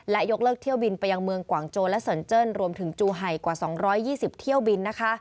และยกเลิกเที่ยวบินไปยังเมืองกว่างโจและเซินเจิ้นรวมถึงจูไห่กว่า๒๒๐เที่ยวบินนะคะ